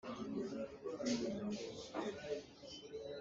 Sualnak a tuah i an phuah.